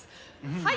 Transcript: はい。